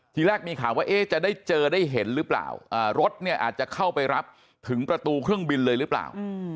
ทีแรกมีข่าวว่าจะได้เจอได้เห็นหรือเปล่ารถเนี่ยอาจจะเข้าไปรับถึงประตูเครื่องบินเลยหรือเปล่า